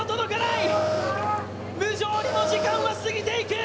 無情にも時間は過ぎていく。